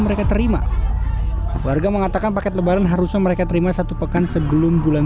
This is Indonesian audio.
mereka terima warga mengatakan paket lebaran harusnya mereka terima satu pekan sebelum bulan